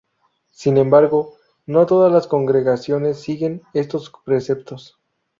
Sin embargo, no todas las congregaciones siguieron estos preceptos.